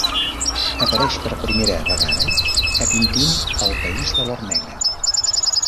Apareix per primera vegada a Tintín al país de l'or negre.